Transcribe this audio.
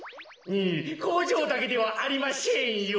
こうじょうだけではありまシェンよ。